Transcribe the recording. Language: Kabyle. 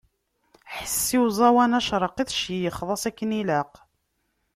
Ḥess i uẓawan acerqi tceyyxeḍ-as akken ilaq.